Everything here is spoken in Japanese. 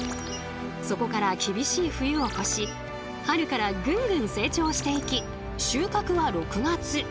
そこから厳しい冬を越し春からぐんぐん成長していき収穫は６月。